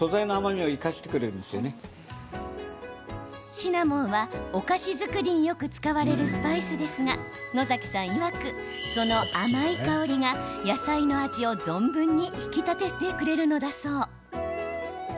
シナモンはお菓子作りによく使われるスパイスですが野崎さんいわく、その甘い香りが野菜の味を存分に引き立ててくれるのだそう。